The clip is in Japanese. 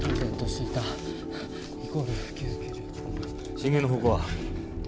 震源の方向は？